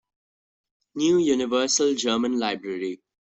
New Universal German Library.